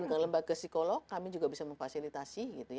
ke lembaga psikolog kami juga bisa memfasilitasi